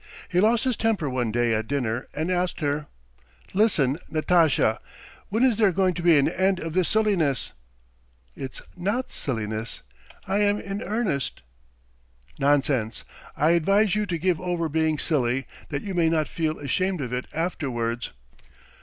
He lost his temper one day at dinner and asked her: "'Listen, Natasha, when is there going to be an end of this silliness?' "'It's not silliness, I am in earnest.' "'Nonsense, I advise you to give over being silly that you may not feel ashamed of it afterwards.'